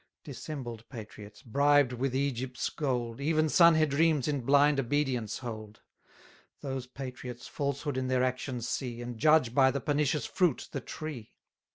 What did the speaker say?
Dissembled patriots, bribed with Egypt's gold, Even Sanhedrims in blind obedience hold; 750 Those patriots falsehood in their actions see, And judge by the pernicious fruit the tree.